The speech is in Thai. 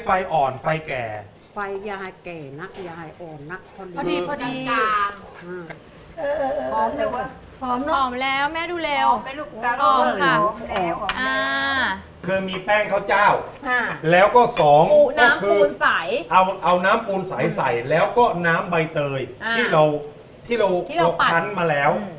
พร้อมแล้วแม่ดูแล้วคือมีแป้งข้าวเจ้าแล้วก็๒เอาน้ำปูนใสแล้วก็น้ำใบเตยที่เราปันมาแล้ว